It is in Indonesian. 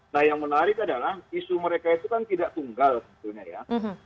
nah yang menarik adalah isu mereka itu kan tidak tunggal sebetulnya ya